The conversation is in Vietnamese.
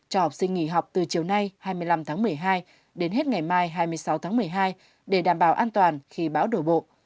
cho học sinh nghỉ học từ chiều nay hai mươi năm tháng một mươi hai đến hết ngày mai hai mươi sáu tháng một mươi hai để đảm bảo an toàn khi bão đổ bộ